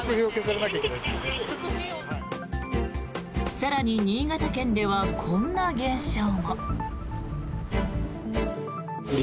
更に、新潟県ではこんな現象も。